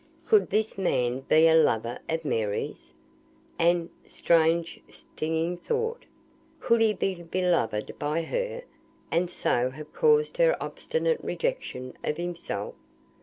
Could this man be a lover of Mary's? And (strange, stinging thought) could he be beloved by her, and so have caused her obstinate rejection of himself?